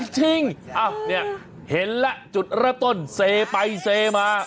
จริงอ้าวนี่เห็นละจุดระต้นเซไปเซมา